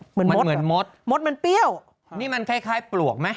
เหมือนมดเหมือนมดมดมันเปรี้ยวนี่มันคล้ายคล้ายปลวกไหม